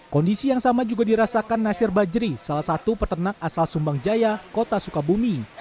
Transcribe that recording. kondisi yang sama juga dirasakan nasir bajri salah satu peternak asal sumbang jaya kota sukabumi